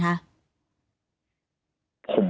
ผมว่ามันมีความย่างง่ายที่ต่างกันครับ